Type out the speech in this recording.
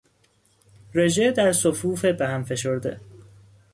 رژه در صفوف به هم فشرده